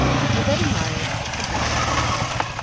Cosette and Marius had been elected.